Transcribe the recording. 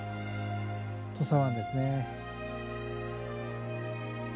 土佐湾ですね。